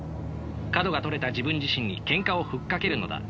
角が取れた自分自身にけんかを吹っかけるのだ。